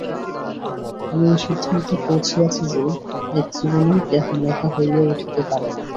আমি এই সিদ্ধান্তে পৌঁছিয়াছি যে, এক জীবনেই কেহ নেতা হইয়া উঠিতে পারে না।